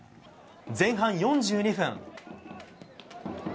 前半４２分。